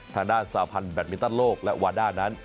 ธนาสาพันธ์แบตมิตราโลกและวาด่านั้น